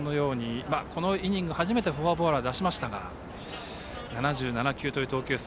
このイニング、初めてフォアボールは出しましたが７７球という投球数。